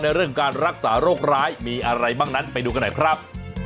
เรื่องการรักษาโรคร้ายมีอะไรบ้างนั้นไปดูกันหน่อยครับ